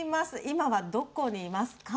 今はどこにいますか？